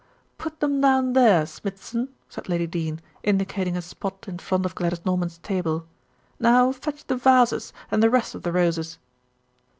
"Put them down there, Smithson," said Lady Dene, indicating a spot in front of Gladys Norman's table. "Now fetch the vases and the rest of the roses."